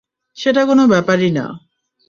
সেটা কোনো ব্যাপারই না।